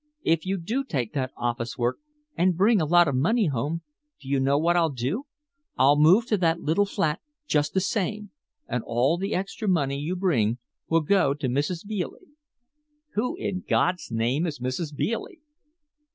If you do take that office work and bring a lot of money home, do you know what I'll do? I'll move to that little flat just the same, and all the extra money you bring will go to Mrs. Bealey." "Who in God's name is Mrs. Bealey?"